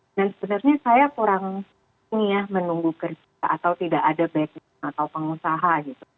dan sebenarnya saya kurang menyia menunggu kerja atau tidak ada background atau pengusaha gitu